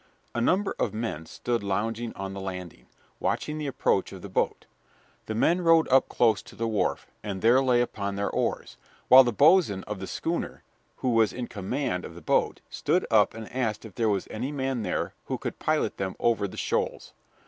A number of men stood lounging on the landing, watching the approach of the boat. The men rowed close up to the wharf, and there lay upon their oars, while the boatswain of the schooner, who was in command of the boat, stood up and asked if there was any man there who could pilot them over the shoals.